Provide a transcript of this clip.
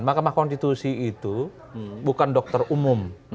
mahkamah konstitusi itu bukan dokter umum